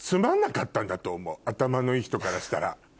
頭のいい人からしたら。